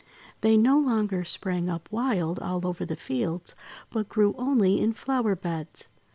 They no longer sprang up wild all over the fields, but grew only in flower beds.